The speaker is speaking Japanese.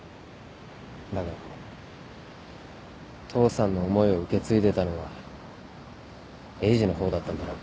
だが父さんの思いを受け継いでたのはエイジの方だったんだな。